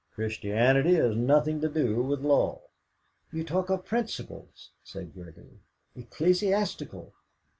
Christianity has nothing to do with law." "You talked of principles," said Gregory "ecclesiastical."